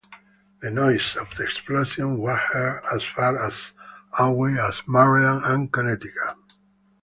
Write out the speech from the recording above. The noise of the explosion was heard as far away as Maryland and Connecticut.